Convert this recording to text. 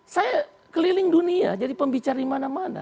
saya keliling dunia jadi pembicara di mana mana